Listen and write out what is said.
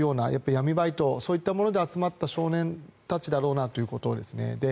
闇バイトそういったもので集まった少年たちだろうなということですね。